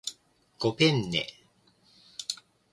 ごぺんね